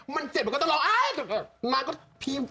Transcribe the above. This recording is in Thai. มันเจ็บแล้วก็เราพยิบ